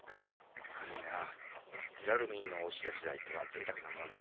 軽いなジュラルミンの押し出し材とは贅沢なものだ。